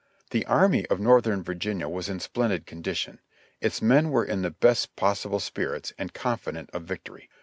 The Army of Northern Virginia was in splendid condition ; its men were in the best possible spirits, and confident of victory.